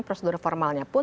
prosedur formalnya pun